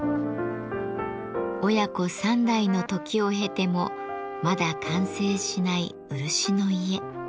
親子３代の時を経てもまだ完成しない漆の家。